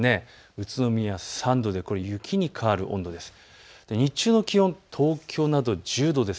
宇都宮３度で雪に変わる温度です。